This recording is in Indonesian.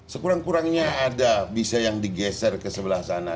sekurang kurangnya ada bisa yang digeser ke sebelah sana